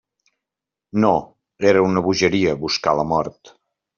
No; era una bogeria buscar la mort.